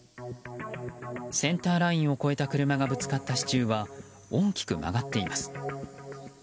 センターラインを越えた車がぶつかった支柱は大きく曲がっています。